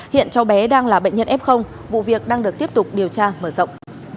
hiện cháu bé đang là bệnh nhân f vụ việc đang được tiếp tục điều tra mở rộng